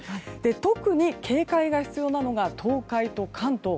特に、警戒が必要なのが東海と関東。